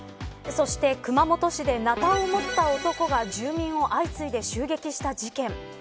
そして、熊本市でナタを持った男が住民を相次いで襲撃した事件。